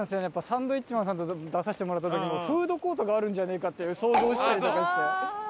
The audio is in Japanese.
サンドウィッチマンさんと出させてもらった時もフードコートがあるんじゃねえかって想像したりとかして。